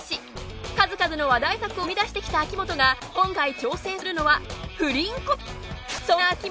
数々の話題作を生み出してきた秋元が今回挑戦するのは不倫コメディ。